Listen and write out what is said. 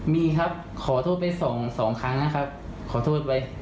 มีครับขอโทษไปสองครั้งนะครับขอโทษไว้